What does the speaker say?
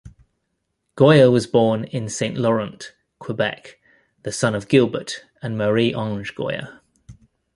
Goyer was born in Saint-Laurent, Quebec, the son of Gilbert and Marie-Ange Goyer.